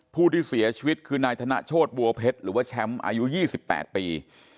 ผู้ที่เสียชีวิตคือนายธนโชธบัวเพชรหรือว่าแชมป์อายุ๒๘ปี